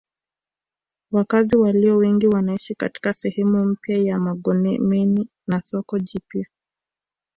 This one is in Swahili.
Wakazi walio wengi wanaishi katika sehemu mpya ya Magomeni na soko jipya